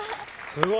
すごい。